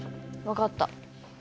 分かった。